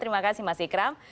terima kasih mas ikram